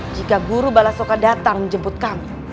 jika guru balasoka datang menjemput kami